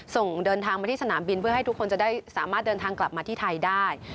ส่งเดินทางมาที่สนามบินเพื่อให้ทุกคนจะได้สามารถเดินทางกลับมาที่ไทยได้